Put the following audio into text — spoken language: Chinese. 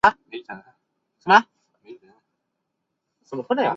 早于上古时代托斯卡尼就已有人居住。